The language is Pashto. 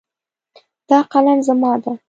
دا قلم زما ده